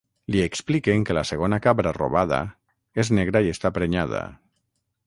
Li expliquen que la segona cabra robada és negra i està prenyada.